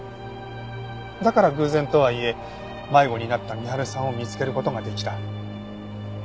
だから偶然とはいえ迷子になった深春さんを見つける事ができた。